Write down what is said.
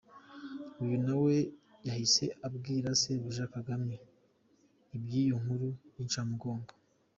Uyu nawe yahise abwira sebuja Kagame iby’iyo nkuru y’inshamugongo.